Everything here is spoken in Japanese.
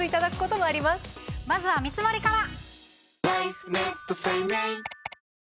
まずは見積りから！